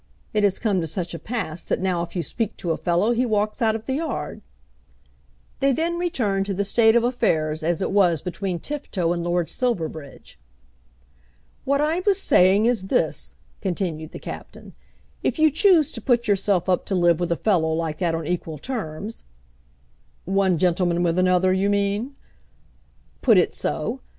It has come to such a pass that now if you speak to a fellow he walks out of the yard." They then returned to the state of affairs, as it was between Tifto and Lord Silverbridge. "What I was saying is this," continued the Captain. "If you choose to put yourself up to live with a fellow like that on equal terms " "One gentleman with another, you mean?" "Put it so.